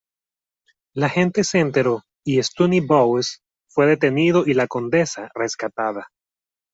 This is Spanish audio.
La gente se enteró, y Stoney Bowes fue detenido y la condesa, rescatada.